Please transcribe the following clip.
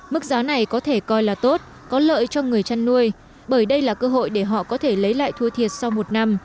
mức giá này có thể coi là tốt có lợi cho người chăn nuôi bởi đây là cơ hội để họ có thể lấy lại thua thiệt sau một năm